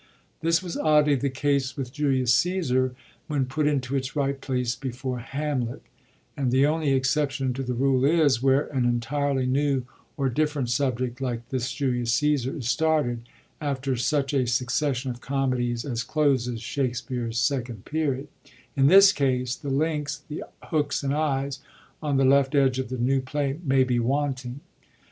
This was oddly the case with JvMus Ccesar when put into its right place before HanUet, And the only exception to the rule is, where an entirely new or different subject like this JvMus Caesar is started, after such a succession of comedies as closes Shakspere's Second Period: in this case the links, the hooks and eyes, on the left edge of the new play may be wanting.